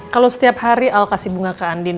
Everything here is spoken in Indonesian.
kalau setiap hari al kasih bunga ke andin